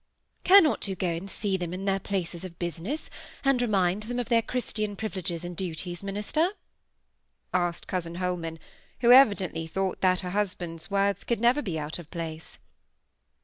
"Cannot you go and see them in their places of business, and remind them of their Christian privileges and duties, minister?" asked cousin Holman, who evidently thought that her husband's words could never be out of place.